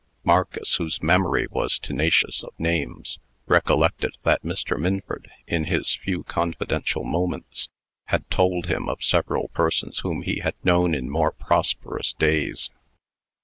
Marcus, whose memory was tenacious of names, recollected that Mr. Minford, in his few confidential moments, had told him of several persons whom he had known in more prosperous days.